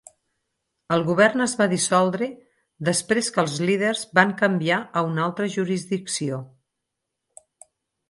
El govern es va dissoldre després que els líders van canviar a una altra jurisdicció.